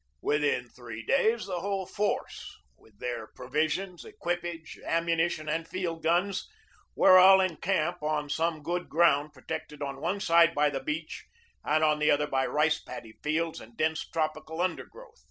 Within three days the whole force, with their provisions, equipage, ammunition, and field guns, were all in camp on some open ground protected on one side by the beach and on the other by rice paddy fields and dense tropical undergrowth.